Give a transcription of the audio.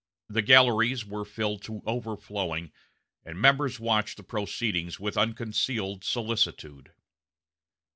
The galleries were filled to overflowing, and members watched the proceedings with unconcealed solicitude.